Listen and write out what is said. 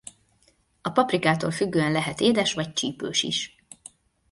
A paprikától függően lehet édes vagy csípős is.